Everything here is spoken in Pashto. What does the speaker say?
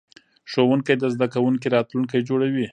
ښوونکی د زده کوونکي راتلونکی جوړوي.